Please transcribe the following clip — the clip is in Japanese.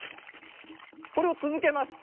これをつづけます。